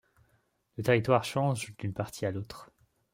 Le territoire change d'une partie à l'autre.